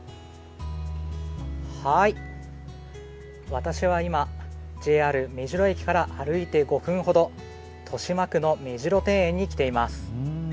私は今、ＪＲ目白駅から歩いて５分ほど、豊島区の目白庭園に来ています。